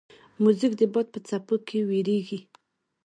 موزیک د باد په څپو کې ویریږي.